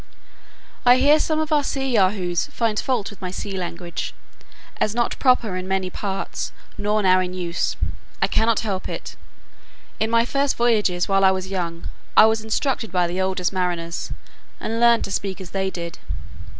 I hear some of our sea Yahoos find fault with my sea language, as not proper in many parts, nor now in use. I cannot help it. In my first voyages, while I was young, I was instructed by the oldest mariners, and learned to speak as they did.